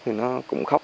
thì nó cũng khóc